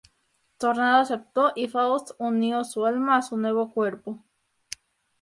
Tornado aceptó, y Faust unió su alma a su nuevo cuerpo.